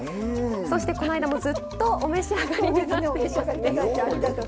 そしてこの間もずっとお召し上がりになってますね。